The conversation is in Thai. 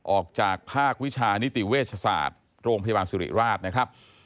ออกจากภาควิชานิติเวชศาสตร์โรงพยาบาลสุริราชนะครับ